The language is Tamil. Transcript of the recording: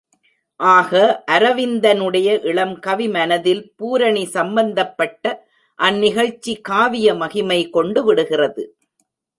ஆக, அரவிந்தனுடைய இளம் கவி மனத்தில் பூரணி சம்பந்தப்பட்ட அந்நிகழ்ச்சி காவிய மகிமை கொண்டுவிடுகிறது.